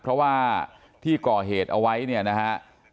เพราะว่าที่ก่อเหตุเอาไว้เนี่ยนะฮะ